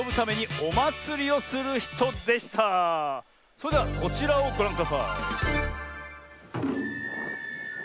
それではこちらをごらんください。